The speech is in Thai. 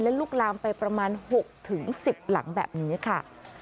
ลุกลามไปประมาณ๖๑๐หลังแบบนี้ค่ะ